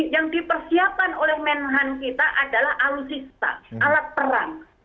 yang dipersiapkan oleh menahan kita adalah alun sista alat perang